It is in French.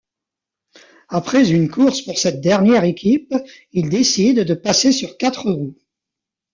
Après une course pour cette dernière équipe, il décide de passer sur quatre roues.